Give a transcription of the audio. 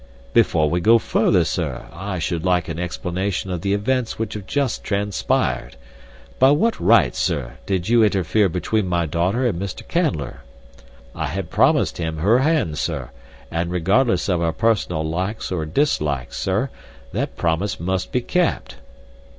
"Before we go further, sir, I should like an explanation of the events which have just transpired. By what right, sir, did you interfere between my daughter and Mr. Canler? I had promised him her hand, sir, and regardless of our personal likes or dislikes, sir, that promise must be kept."